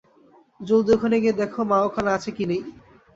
জলদি ওখানে গিয়ে দেখো মা ওখানে আছে না কি নেই।